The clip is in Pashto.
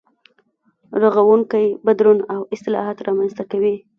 رغونکی بدلون او اصلاحات رامنځته کوي.